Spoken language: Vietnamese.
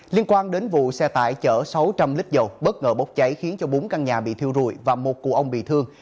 liên quan đến vụ xe tải chở sáu trăm linh lít dầu bất ngờ bốc cháy khiến cho bốn căn nhà bị thiêu rụi và một cụ ông bị thương